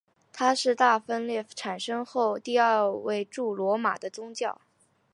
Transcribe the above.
他是大分裂发生后第二位驻罗马的教宗。